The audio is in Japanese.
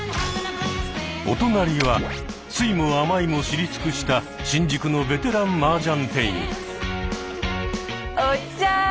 お隣は酸いも甘いも知り尽くした新宿のベテランマージャン店員。